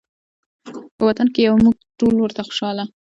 په وطن کې یو مونږ ټول ورته خوشحاله